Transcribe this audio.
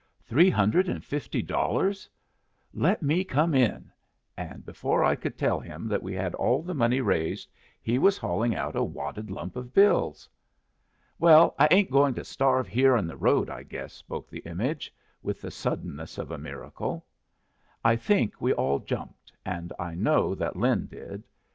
"Three hundred and fifty dollars? Let me come in"; and before I could tell him that we had all the money raised, he was hauling out a wadded lump of bills. "Well, I ain't going to starve here in the road, I guess," spoke the image, with the suddenness of a miracle. I think we all jumped, and I know that Lin did.